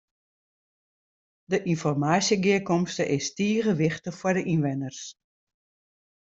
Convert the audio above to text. De ynformaasjegearkomste is tige wichtich foar de ynwenners.